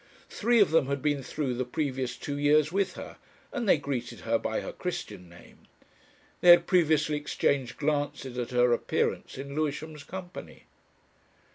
Three of them had been through the previous two years with her, and they greeted her by her Christian name. They had previously exchanged glances at her appearance in Lewisham's company.